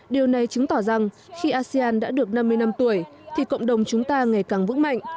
điều này chứng tỏ rằng khi asean đã được năm mươi năm tuổi thì cộng đồng chúng ta ngày càng vững mạnh